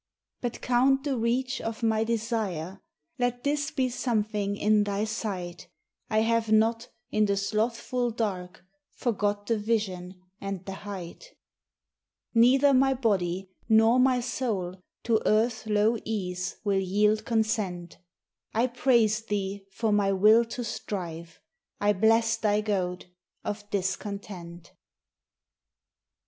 But count the reach of my desire. Let this be something in Thy sight: I have not, in the slothful dark, Forgot the Vision and the Height. Neither my body nor my soul To earth's low ease will yield consent. I praise Thee for my will to strive. I bless Thy goad of discontent.